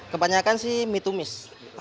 kebanyakan sih mie tumis